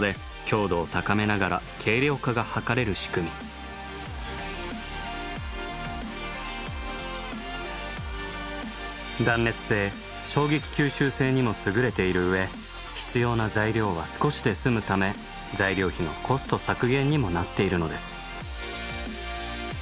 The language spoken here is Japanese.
これは断熱性衝撃吸収性にも優れている上必要な材料は少しで済むため材料費のコスト削減にもなっているのです。